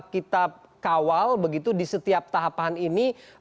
kita kawal begitu di setiap tahapan ini